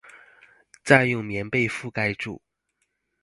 再用棉被覆蓋住